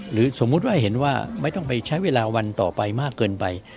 สมมุติว่าเห็นว่าไม่ต้องไปใช้เวลาวันต่อไปมากเกินไป